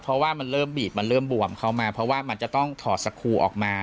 เพราะว่ามันเริ่มบีบมันเริ่มบวมเข้ามาเพราะว่ามันจะต้องถอดสคูออกมา